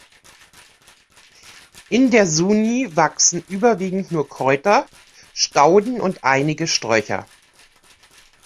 In der Suni wachsen überwiegend nur Kräuter, Stauden und einige Sträucher.